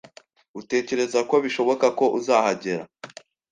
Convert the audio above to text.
Utekereza ko bishoboka ko uzahagera?